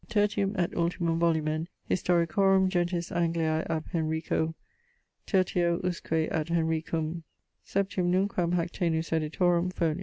Tertium et ultimum volumen Historicorum gentis Angliae ab Henrico IIIº usque ad Henricum VIIᵘm nunquam hactenus editorum: fol.